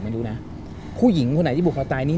ไม่รู้นะผู้หญิงคนไหนที่ผูกคอตายนี่